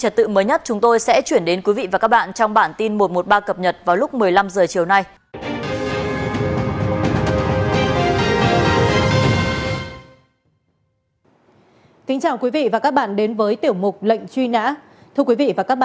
đồng thời tước bằng năm tháng đối với tài xế